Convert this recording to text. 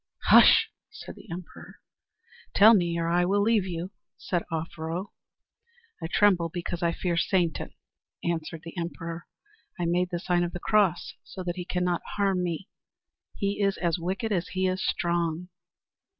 "Hush!" said the emperor. "Tell me, or I will leave you," said Offero. "I tremble because I fear Satan," answered the emperor. "I made the sign of the cross so that he cannot harm me. He is as wicked as he is strong."